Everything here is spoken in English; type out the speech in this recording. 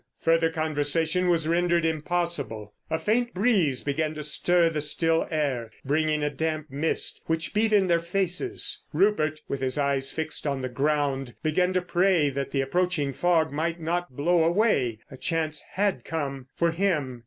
Further conversation was rendered impossible. A faint breeze began to stir the still air, bringing a damp mist, which beat in their faces. Rupert, with his eyes fixed on the ground, began to pray that the approaching fog might not blow away. A chance had come—for him.